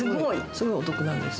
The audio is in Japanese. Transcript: すごいお得なんです。